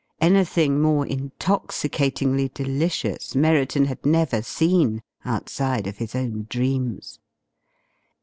Anything more intoxicatingly delicious Merriton had never seen outside of his own dreams.